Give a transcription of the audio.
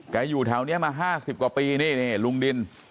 แกอยู่แถวนี้มาห้าสิบกว่าปีนี่ลุงดิน